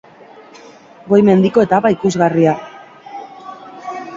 Goi mendiko etapa ikusgarria.